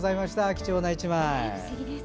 貴重な１枚。